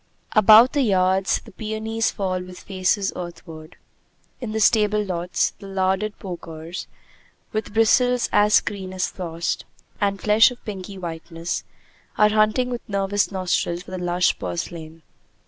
About the yards the peonies fall with faces earthward. In the stable lots the larded porkers, with bristles as clean as frost, and flesh of pinky whiteness, are hunting with nervous nostrils for the lush purslain.